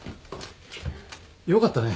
よかったね。